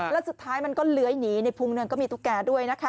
แล้วสุดท้ายมันก็เหลือยหนีในภูมินเลยก็มีตุ๊กแกด้วยนะฮะ